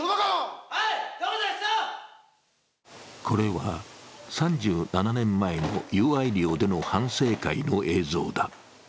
これは３７年前の友愛寮での反省会の映像だ。